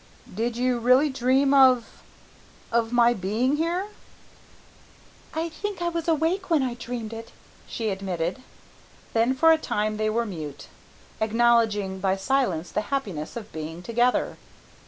"Did you really dream of, of my being here?" "I think I was awake when I dreamed it," she admitted. Then for a time they were mute, acknowledging by silence the happiness of being together.